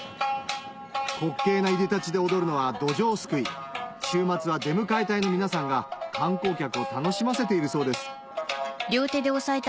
滑稽ないでたちで踊るのはどじょうすくい週末は出迎え隊の皆さんが観光客を楽しませているそうです